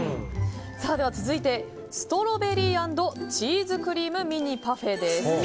続いてストロベリー＆チーズクリームミニパフェです。